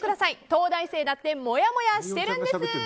東大生だってもやもやしてるんです！